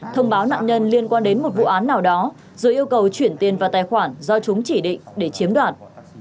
thông báo nạn nhân liên quan đến một vụ án nào đó rồi yêu cầu chuyển tiền vào tài khoản do chúng chỉ định để chiếm đoạt